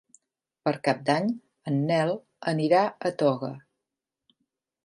Per Cap d'Any en Nel anirà a Toga.